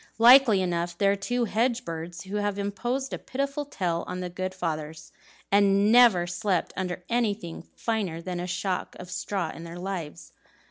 likely enough they're two hedge birds, who have imposed a pitiful tale on the good fathers, and never slept under anything finer than a shock of straw in their lives."